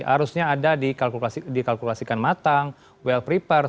harusnya ada dikalkulasikan matang well prepare